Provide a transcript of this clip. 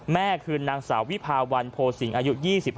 แม่คือนางสาววิภาวันโพสิงอายุ๒๕